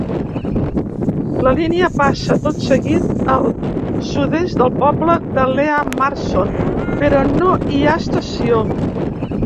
La línia passa tot seguit al sud-est del poble de Lea Marston, però no hi ha estació